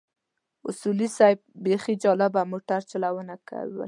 اصولي صیب بيخي جالبه موټر چلونه کوله.